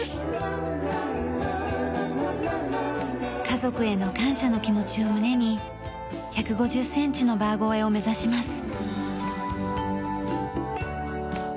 家族への感謝の気持ちを胸に１５０センチのバー越えを目指します。